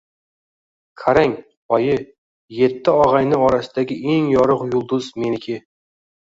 Qarang, oyi, Yetti og‘ayni orasidagi eng yorug‘ yulduz — meniki.